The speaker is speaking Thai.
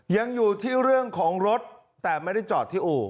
ยังอยู่ที่เรื่องของรถแต่ไม่ได้จอดที่อู่